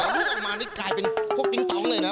ลูกออกมานี่กลายเป็นพวกปิ๊งตองเลยนะ